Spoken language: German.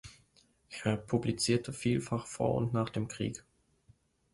Er publizierte vielfach vor und nach dem Krieg.